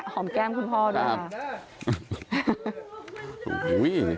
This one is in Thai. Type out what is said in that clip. หอมแก้มคุณพ่อดีกว่า